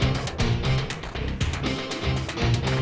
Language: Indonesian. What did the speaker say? berlangganan untuk pembahagianan